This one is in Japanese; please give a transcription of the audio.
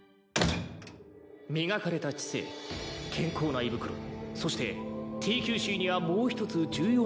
磨かれた知性健康な胃袋そしてＴＱＣにはもう一つ重要な要素があります。